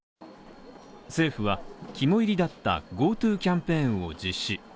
政府は肝いりだったＧｏＴｏキャンペーンを実施。